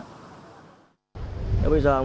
cuối thời gian tiếp nhận